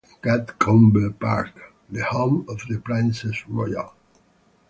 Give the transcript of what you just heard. Nearby is Gatcombe Park, the home of the Princess Royal.